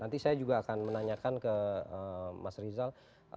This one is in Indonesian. nanti saya juga akan menanyakan ke mas rizal